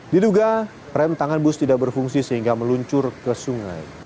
diduga rem tangan bus tidak berfungsi sehingga meluncur ke sungai